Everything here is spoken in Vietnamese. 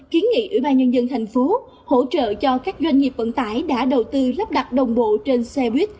kiến nghị ủy ban nhân dân thành phố hỗ trợ cho các doanh nghiệp vận tải đã đầu tư lắp đặt đồng bộ trên xe buýt